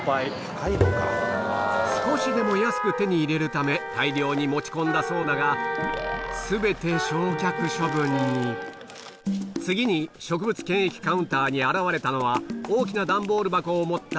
さらに一体大量に持ち込んだそうだが全て次に植物検疫カウンターに現れたのは大きな段ボール箱を持った